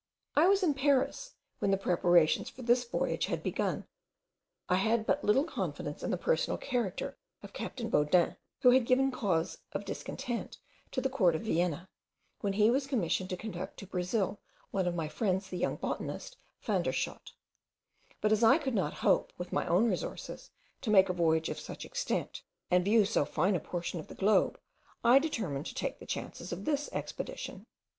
I was in Paris when the preparations for this voyage were begun. I had but little confidence in the personal character of captain Baudin, who had given cause of discontent to the court of Vienna, when he was commissioned to conduct to Brazil one of my friends, the young botanist, Van der Schott; but as I could not hope, with my own resources, to make a voyage of such extent, and view so fine a portion of the globe, I determined to take the chances of this expedition.